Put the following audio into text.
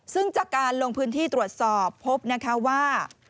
ซึ่งจากการลงพื้นที่ตรวจสอบพบนะคะว่า